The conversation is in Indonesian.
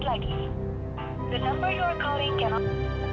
orang nipu memberes orang